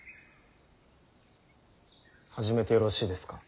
始めてよろしいですか。